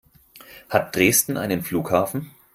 Hat Dresden einen Flughafen?